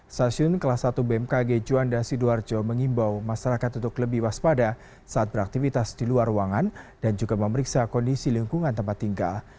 stasiun kelas satu bmkg juanda sidoarjo mengimbau masyarakat untuk lebih waspada saat beraktivitas di luar ruangan dan juga memeriksa kondisi lingkungan tempat tinggal